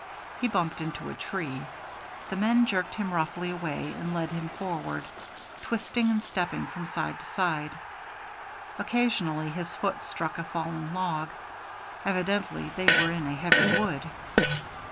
He bumped into a tree. The men jerked him roughly away and led him forward, twisting and stepping from side to side. Occasionally his foot struck a fallen log. Evidently they were in a heavy wood.